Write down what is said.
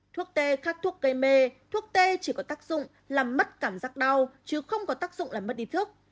thuốc tê khắc thuốc gây mê thuốc tê chỉ có tác dụng làm mất cảm giác đau chứ không có tác dụng là mất ý thức